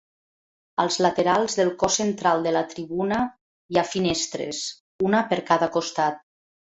Als laterals del cos central de la tribuna hi ha finestres, una per cada costat.